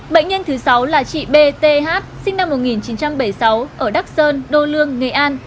bệnh nhân thứ sáu là chị b t h sinh năm một nghìn chín trăm bảy mươi sáu ở đắk sơn đô lương nghệ an